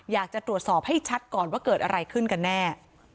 อยากจะตรวจสอบให้ชัดก่อนว่าเกิดอะไรขึ้นกันแน่